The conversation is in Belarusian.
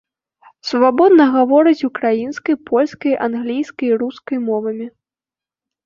Свабодна гаворыць украінскай, польскай, англійскай, рускай мовамі.